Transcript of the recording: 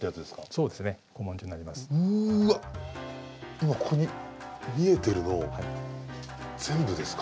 今ここに見えてるの全部ですか？